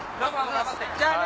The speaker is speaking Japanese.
じゃあね！